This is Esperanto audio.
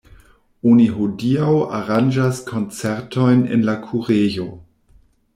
Oni hodiaŭ aranĝas koncertojn en la kurejo.